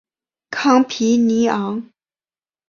康皮尼昂。